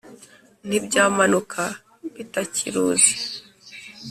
ntibyamanuka bitakiruzi